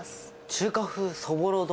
中華風そぼろ丼？